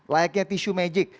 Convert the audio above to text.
layaknya tisu magic